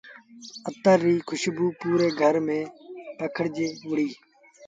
اتر ريٚ کُشبو پوري گھر ميݩ پکڙجي وهُڙيٚ۔